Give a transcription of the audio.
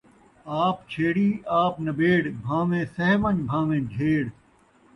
آپ چھیڑی آپ نیبڑ، بھانویں سہہ ونڄ، بھانویں جھیڑ